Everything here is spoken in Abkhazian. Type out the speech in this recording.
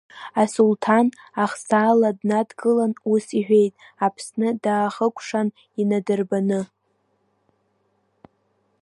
Асулҭан ахсаала днадгылан ус иҳәеит, Аԥсны даахыкәшан инадырбаны…